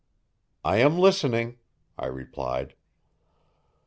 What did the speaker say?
"I am listening," I replied.